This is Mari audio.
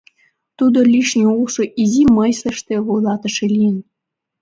Тудо лишне улшо изи мыйсыште вуйлатыше лийын.